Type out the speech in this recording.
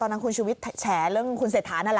ตอนนั้นคุณชุวิตแฉริงคุณเศษฐานั่นแหละ